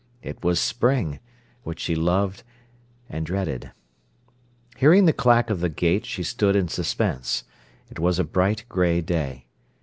It was spring, which she loved and dreaded. Hearing the clack of the gate she stood in suspense. It was a bright grey day.